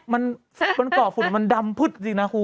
มันก่อฝุ่นมันดำพึดจริงนะครู